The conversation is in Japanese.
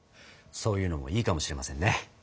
そういうのもいいかもしれませんね。